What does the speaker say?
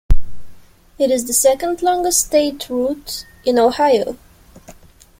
It is the second longest state route in Ohio.